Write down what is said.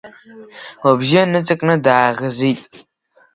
Лыбжьы ныҵакны дааӷызит.